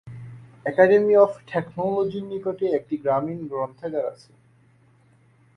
Academy of টেকনোলজির নিকটে একটি গ্রামীণ গ্রন্থাগার আছে।